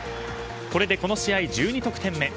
これで、この試合１２得点目。